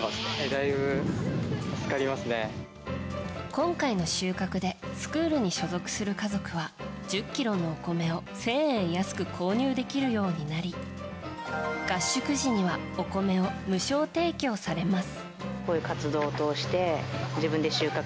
今回の収穫でスクールに所属する家族は１０ｋｇのお米を１０００円安く購入できるようになり合宿時にはお米を無償提供されます。